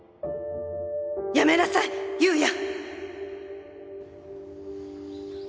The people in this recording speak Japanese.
やめなさい夕也！